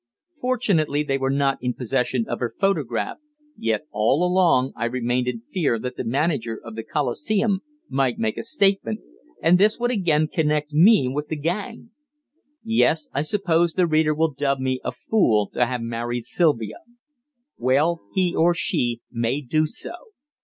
Fortunately they were not in possession of her photograph, yet all along I remained in fear that the manager of the Coliseum might make a statement, and this would again connect me with the gang. Yes, I suppose the reader will dub me a fool to have married Sylvia. Well, he or she may do so.